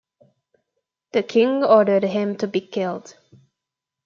The king ordered him to be killed.